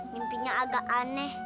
mimpinya agak aneh